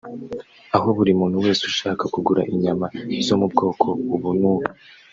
aho buri muntu wese ushaka kugura inyama zo mu bwoko ubu n’ubu